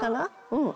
うん。